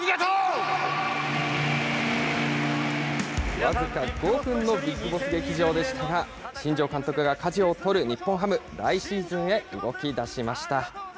僅か５分のビッグボス劇場でしたが、新庄監督がかじを取る日本ハム、来シーズンへ動きだしました。